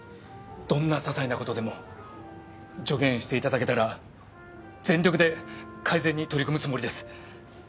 どんな些細な事でも助言して頂けたら全力で改善に取り組むつもりです。